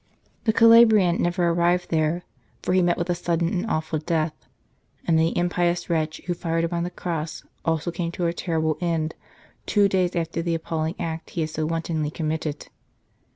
The Calabrian never arrived there, for he met with a sudden and awful death, and the impious wretch who fired upon the cross also came to a terrible end two days after the appalling act he had so wantonly committed.